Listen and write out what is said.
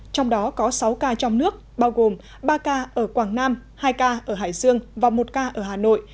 trong đó có sáu ca trong nước bao gồm ba ca ở quảng nam hai ca ở hải dương và một ca ở hà nội